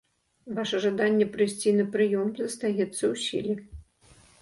Ваша жаданне прыйсці на прыём застаецца ў сіле.